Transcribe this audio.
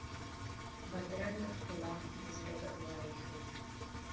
بدرنګه ښکلا د زړه بدوالی ښيي